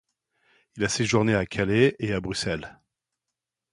Il a séjourné à Calais et à Bruxelles.